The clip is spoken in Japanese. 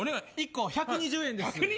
１個１２０円です。